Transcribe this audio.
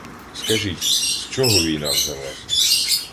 Скажіть — з чого війна взялася?